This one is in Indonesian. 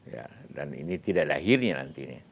ya dan ini tidak ada akhirnya nanti ini